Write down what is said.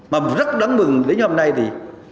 mà rất đáng mừng đến hôm nay thì